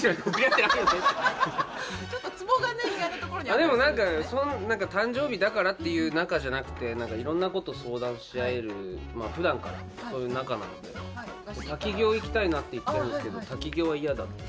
でも何か誕生日だからっていう仲じゃなくていろんなこと相談し合えるまあふだんからそういう仲なので滝行行きたいなって言ってるんですけど滝行は嫌だって。